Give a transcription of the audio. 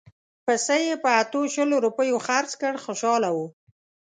پسه یې په اتو شل روپیو خرڅ کړ خوشاله وو.